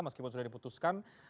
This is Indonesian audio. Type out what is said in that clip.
meskipun sudah diputuskan